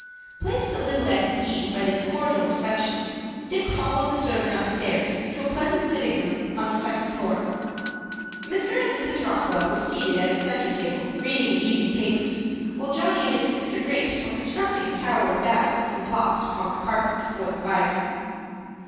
Placed a little at his ease by this cordial reception, Dick followed the servant upstairs to a pleasant sitting room on the second floor. Mr. and Mrs. Rockwell were seated at a centre table reading the evening papers, while Johnny and his sister Grace were constructing a Tower of Babel with some blocks upon the carpet before the fire.